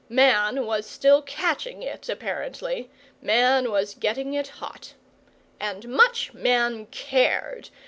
Man was still catching it, apparently Man was getting it hot. And much Man cared!